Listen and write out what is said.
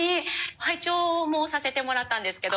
拝聴もさせてもらったんですけど。